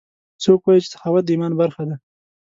څوک وایي چې سخاوت د ایمان برخه ده